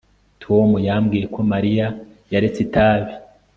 Tom yambwiye ko Mariya yaretse itabi